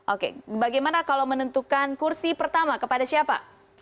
oke bagaimana kalau menentukan kursi pertama kepada siapa